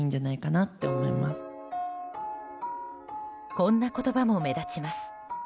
こんな言葉も目立ちます。